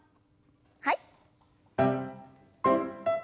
はい。